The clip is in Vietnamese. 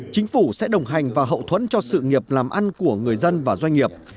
chính phủ sẽ đồng hành và hậu thuẫn cho sự nghiệp làm ăn của người dân và doanh nghiệp